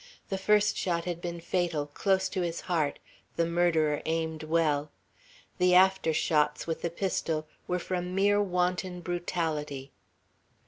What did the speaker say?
The first shot had been fatal, close to his heart, the murderer aimed well; the after shots, with the pistol, were from mere wanton brutality.